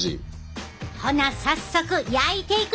ほな早速焼いていくで！